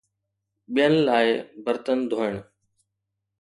ٻين لاءِ برتن ڌوئڻ